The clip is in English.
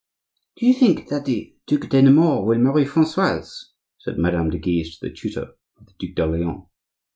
"Do you think that the Duc de Nemours will marry Francoise?" said Madame de Guise to the tutor of the Duc d'Orleans.